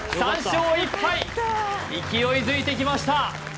３勝１敗勢いづいてきました